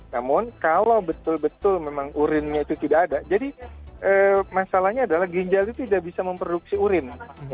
namun kalau betul betul memang urinnya itu tidak ada jadi masalahnya adalah ginjal itu tidak bisa memproduksi urin